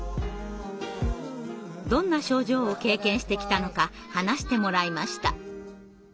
どんな症状を経験してきたのか話してもらいました。